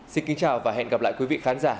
xin kính chào và hẹn gặp lại quý vị khán giả